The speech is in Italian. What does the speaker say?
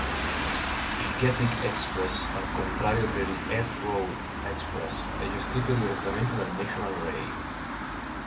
Il Gatwick Express, al contrario dell'Heathrow Express, è gestito direttamente dal National Rail.